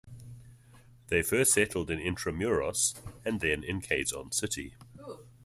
They first settled in Intramuros, and then in Quezon City.